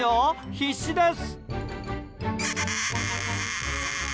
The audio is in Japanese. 必死です。